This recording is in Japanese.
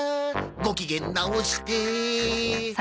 ご機嫌直して。